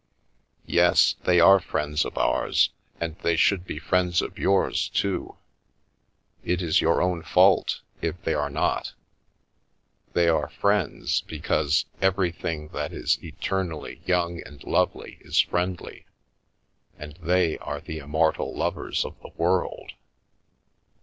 " Yes, they are friends of ours, and they should be friends of yours, too. It is your own fault if they are not. They are friends, because everything that is ex ternally young and lovely is friendly, and they are the immortal lovers of the world.